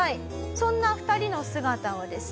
そんな２人の姿をですね